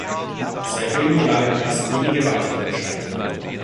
Seitdem gelangen erst wenige weitere Besteigungen.